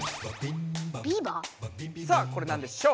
さあこれなんでしょう？